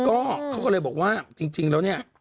ก็เขาก็เลยบอกว่าจริงแล้วเนี่ย